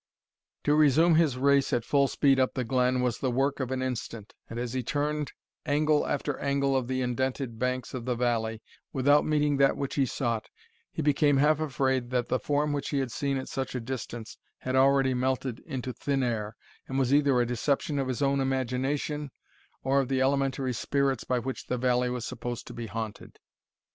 To resume his race at full speed up the glen, was the work of an instant; and as he turned angle after angle of the indented banks of the valley, without meeting that which he sought, he became half afraid that the form which he had seen at such a distance had already melted into thin air, and was either a deception of his own imagination, or of the elementary spirits by which the valley was supposed to be haunted.